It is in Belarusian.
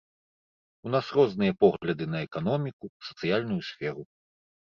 У нас розныя погляды на эканоміку, сацыяльную сферу.